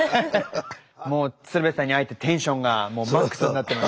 もう鶴瓶さんに会えてテンションがもうマックスになってましたからね。